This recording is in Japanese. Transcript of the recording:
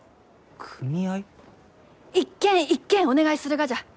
一軒一軒お願いするがじゃ。